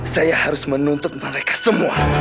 saya harus menuntut mereka semua